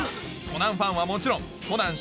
『コナン』ファンはもちろん『コナン』